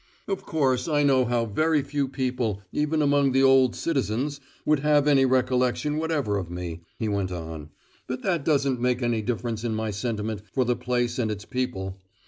"Of course I know how very few people, even among the `old citizens,' would have any recollection whatever of me," he went on; "but that doesn't make any difference in my sentiment for the place and its people.